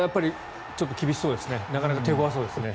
ちょっと厳しそうですね手ごわそうですね。